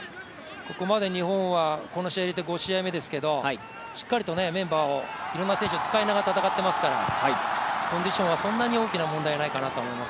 ここまで日本はこの試合を入れて５試合目ですけれども、しっかりとメンバーをいろんな選手を入れて戦っていますからコンディションはそんなに大きな問題ではないかなと。